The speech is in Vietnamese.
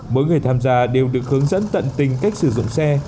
mỗi người tham gia đều được hướng dẫn tận tình cách sử dụng xe